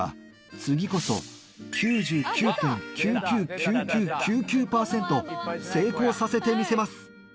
「次こそ９９．９９９９９９％」「成功させてみせます！」